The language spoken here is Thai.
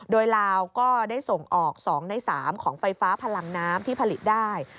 โดยลาวก็ได้ส่งออก๒ใน๓ของไฟฟ้าพลังน้ำที่ผลิตได้